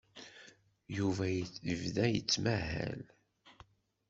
Yuba yebda yettmahal.